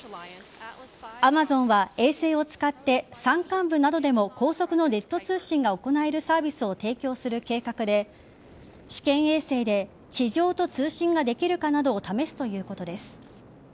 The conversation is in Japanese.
Ａｍａｚｏｎは衛星を使って山間部などでも高速のネット通信が行えるサービスを提供する計画で試験衛星で地上と通信ができるかなどを試すということです。